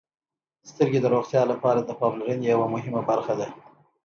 • سترګې د روغتیا لپاره د پاملرنې یوه مهمه برخه ده.